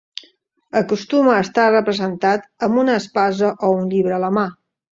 Acostuma a estar representat amb una espasa o un llibre a la mà.